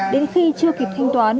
đến khi chưa kịp thanh toán